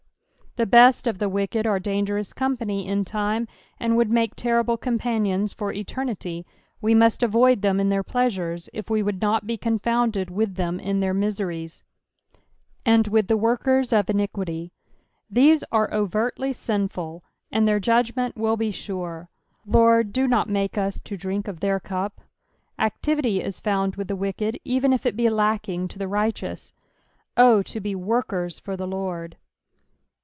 The best if the wicked are dangerous company in lime, and would make terrible companions for eternity ; we must avoid them in their pleasures, if we would nut be confounded with them in their miseries. " And mtk the leortm of iniquity." These are overtly sinful, and their judgment will be sure ; Lord, do not make us to drink of their cup. Activity is found with the wicked even if it be lacking to the righteous. Oh ! to be " workers" for the Lord.